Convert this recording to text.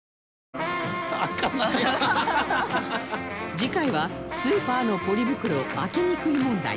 次回はスーパーのポリ袋開けにくい問題